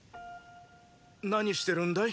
何してるんだい？